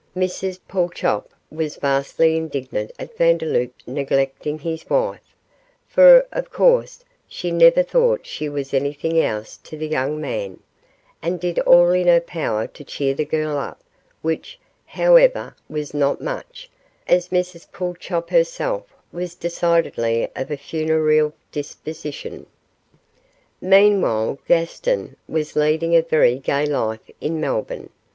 Mrs Pulchop was vastly indignant at Vandeloup neglecting his wife, for, of course, she never thought she was anything else to the young man, and did all in her power to cheer the girl up, which, however, was not much, as Mrs Pulchop herself was decidedly of a funereal disposition. Meanwhile, Gaston was leading a very gay life in Melbourne.